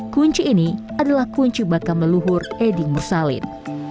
kunci ini adalah kunci bakam leluhur edi mursalim